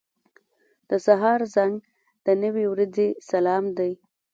• د سهار زنګ د نوې ورځې سلام دی.